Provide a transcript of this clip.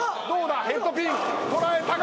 ヘッドピン捉えたが！